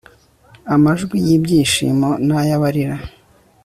amajwi y ibyishimo n ay abarira